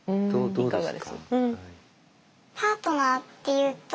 いかがです？